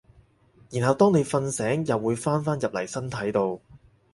然後當你瞓醒又會返返入嚟身體度